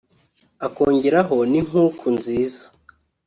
akongeraho n’inkuku nziza